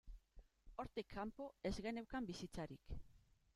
Hortik kanpo, ez geneukan bizitzarik.